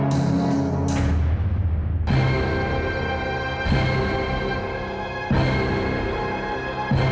terima kasih ya